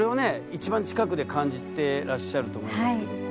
一番近くで感じてらっしゃると思いますけども。